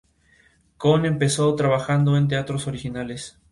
Coon empezó trabajando en teatros regionales.